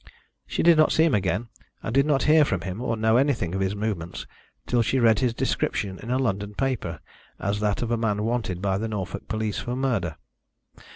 She did not see him again, and did not hear from him or know anything of his movements till she read his description in a London paper as that of a man wanted by the Norfolk police for murder.